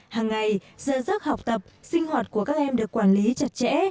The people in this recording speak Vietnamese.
hằng ngày sơ giấc học tập sinh hoạt của các em được quản lý chặt chẽ